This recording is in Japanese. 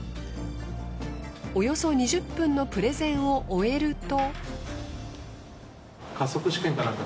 およそ２０分のプレゼンを終えると。